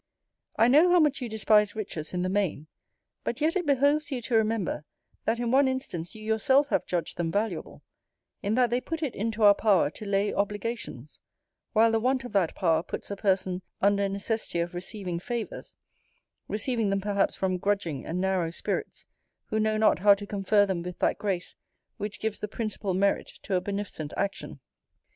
I know how much you despise riches in the main: but yet it behoves you to remember, that in one instance you yourself have judged them valuable 'In that they put it into our power to lay obligations; while the want of that power puts a person under a necessity of receiving favours receiving them perhaps from grudging and narrow spirits, who know not how to confer them with that grace, which gives the principal merit to a beneficent action.'